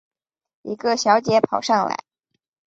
一个小姐跑上来